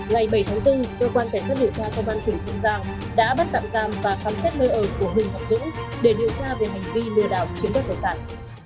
ngày bảy tháng bốn cơ quan kẻ sát điều tra công an thủy hồng giang đã bắt tạm giam và khám xét nơi ở của hùng ngọc dũ để điều tra về hành vi lừa đảo chiến đấu cầu sản